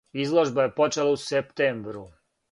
Изложба је почела у септембру.